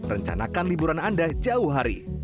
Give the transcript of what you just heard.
rencanakan liburan anda jauh hari